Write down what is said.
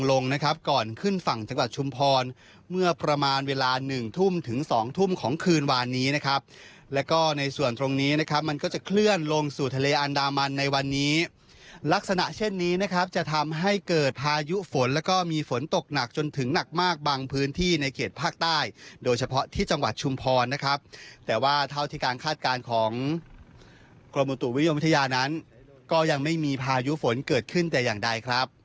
แล้วก็ในส่วนตรงนี้นะครับมันก็จะเคลื่อนลงสู่ทะเลอันดามันในวันนี้ลักษณะเช่นนี้นะครับจะทำให้เกิดพายุฝนแล้วก็มีฝนตกหนักจนถึงหนักมากบางพื้นที่ในเขตภาคใต้โดยเฉพาะที่จังหวัดชุมพรนะครับแต่ว่าเท่าที่การคาดการณ์ของกรมอุตุนิยมวิทยานั้นก็ยังไม่มีพายุฝนเกิดขึ้นแต่อย่างใ